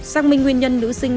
xác minh nguyên nhân nữ sinh